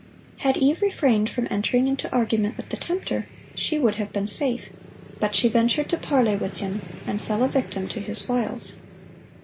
(930) Had Eve refrained from entering into argument with the tempter, she would have been safe; but she ventured to parley with him, and fell a victim to his wiles.